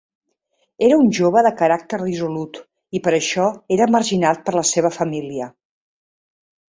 Era un jove de caràcter dissolut i per això era marginat per la seva família.